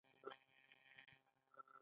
آیا دوی پلونه او تونلونه نه جوړوي؟